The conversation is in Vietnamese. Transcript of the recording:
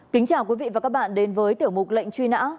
kính chào quý vị và các bạn đến với tiểu mục lệnh truy nã